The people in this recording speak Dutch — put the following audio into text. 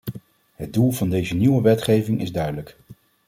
Het doel van deze nieuwe wetgeving is duidelijk.